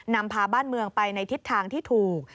นำพาบ้านเมืองไปในทิศทางที่ถูก